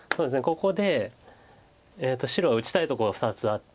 ここで白は打ちたいところ２つあって。